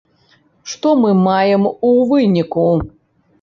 Што мы маем у выніку?